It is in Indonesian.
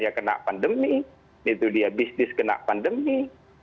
ya kena pandemi bisnis kena pandemi